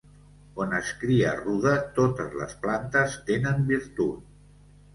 On es cria ruda totes les plantes tenen virtut.